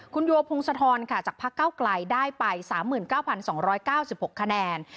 คุณยัวพงศธรจากภาคเก้ากลายได้ไป๓๙๒๙๖คะแนน